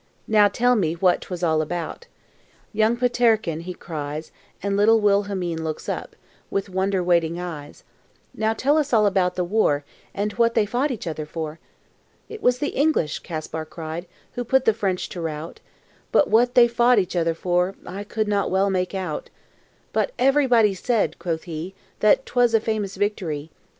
"Now tell me what 'twas all about," Young Peterkin, he cries; And little Wilhelmine looks up With wonder waiting eyes; "Now tell us all about the war, And what they fought each other for." "It was the English," Kaspar cried, "Who put the French to rout; But what they fought each other for, I could not well make out; But everybody said," quoth he, "That 'twas a famous victory.